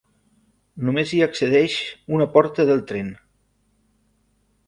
Només hi accedeix una porta del tren.